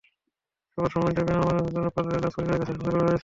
সবার সম্মতিতে বিনা ময়নাতদন্তে পারুলের লাশ পরিবারের কাছে হস্তান্তর করা হয়েছে।